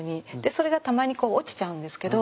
それがたまにこう落ちちゃうんですけど。